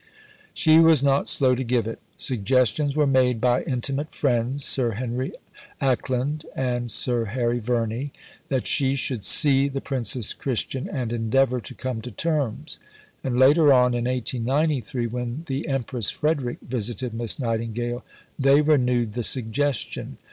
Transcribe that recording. She was not slow to give it. Suggestions were made by intimate friends Sir Henry Acland and Sir Harry Verney that she should see the Princess Christian and endeavour to come to terms; and later on, in 1893, when the Empress Frederick visited Miss Nightingale, they renewed the suggestion.